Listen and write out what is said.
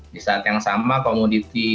di saat yang sama komoditi